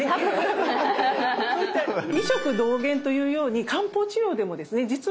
そういった「医食同源」というように漢方治療でもですね実はですね